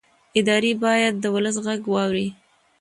ادارې باید د ولس غږ واوري